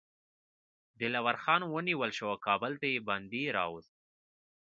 دلاور خان ونیول شو او کابل ته یې بندي راووست.